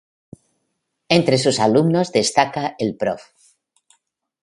Entre sus alumnos destacan el Profr.